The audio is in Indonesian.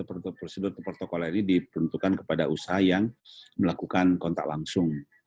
chse atau prosedur atau protokol ini diperuntukkan kepada usaha yang melakukan kontak langsung